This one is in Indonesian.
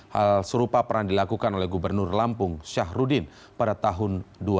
hal serupa pernah dilakukan oleh gubernur lampung syahrudin pada tahun dua ribu